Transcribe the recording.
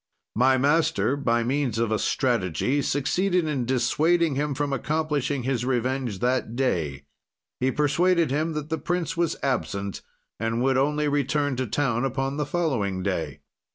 "My master, by means of a strategy, succeeded in dissuading him from accomplishing his revenge that day. He persuaded him that the prince was absent and would only return to town upon the following day.